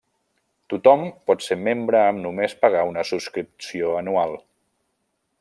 Tothom pot ser membre amb només pagar una subscripció anual.